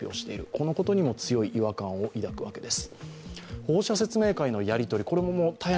このことにも強い違和感を抱くわけです。